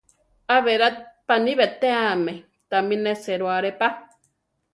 Á berá paní betéame tami nesero aré pa.